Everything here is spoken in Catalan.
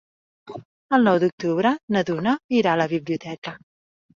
El nou d'octubre na Duna irà a la biblioteca.